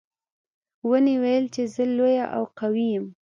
ونې ویل چې زه لویه او قوي یم.